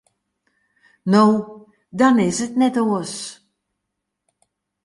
No, dan is it net oars.